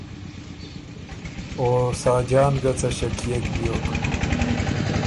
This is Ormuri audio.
او ساجان که څه ݭکيېک بیوک